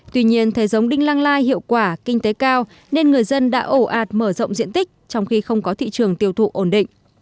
tuy nhiên thấy giống đinh lăng lai hiệu quả kinh tế cao nên người dân đã ổ ạt mở rộng diện tích trong khi không có thị trường tiêu thụ ổn định